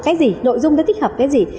cái gì nội dung đó tích hợp cái gì